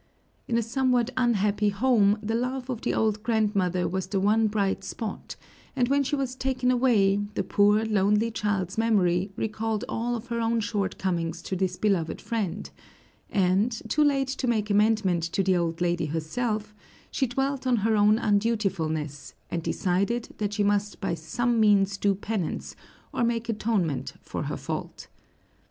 In a somewhat unhappy home, the love of the old grandmother was the one bright spot; and when she was taken away, the poor, lonely child's memory recalled all of her own shortcomings to this beloved friend; and, too late to make amendment to the old lady herself, she dwelt on her own undutifulness, and decided that she must by some means do penance, or make atonement for her fault.